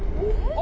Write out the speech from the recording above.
あ！